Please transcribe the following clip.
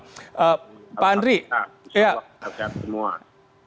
assalamualaikum warahmatullahi wabarakatuh